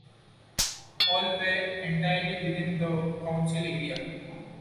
All were entirely within the council area.